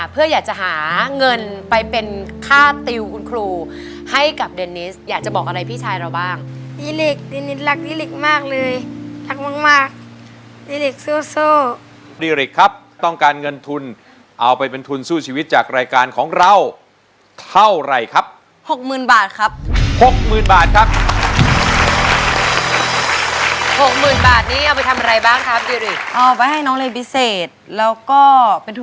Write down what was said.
เพื่ออยากจะหาเงินไปเป็นค่าติวคุณครูให้กับเดนนิสอยากจะบอกอะไรพี่ชายเราบ้างอีลิกดีนิสรักอีลิกมากเลยรักมากมากอีลิกสู้สู้ดีริกครับต้องการเงินทุนเอาไปเป็นทุนสู้ชีวิตจากรายการของเราเท่าไหร่ครับหกหมื่นบาทครับหกหมื่นบาทครับหกหมื่นบาทนี้เอาไปทำอะไรบ้างครับ